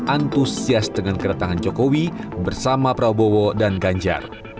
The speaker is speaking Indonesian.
syarikat yang berada di pasar pun antusias dengan keretangan jokowi bersama prabowo dan ganjar